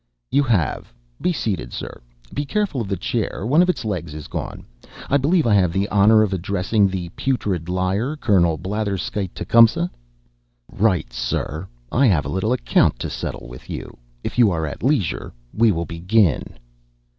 "You have. Be seated, sir. Be careful of the chair, one of its legs is gone. I believe I have the honor of addressing the putrid liar, Colonel Blatherskite Tecumseh?" "Right, Sir. I have a little account to settle with you. If you are at leisure we will begin."